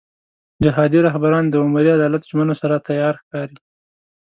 جهادي رهبران د عمري عدالت ژمنو سره تیار ښکاري.